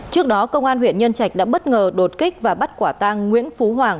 trước đó công an huyện nhân trạch đã bất ngờ đột kích và bắt quả tang nguyễn phú hoàng